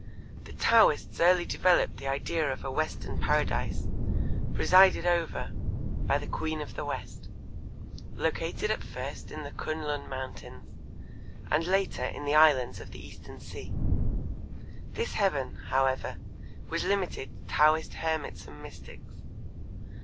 The Taoists early developed the idea of a western paradise presided over by the Queen of the West, located at first in the K'un Lun mountains and later in the islands of the Eastern Sea. This heaven, however, was limited to Taoist hermits and mystics.